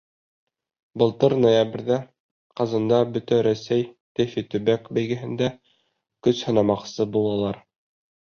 Былтыр ноябрҙә Ҡазанда Бөтә Рәсәй «Тэфи-төбәк» бәйгеһендә көс һынамаҡсы булалар.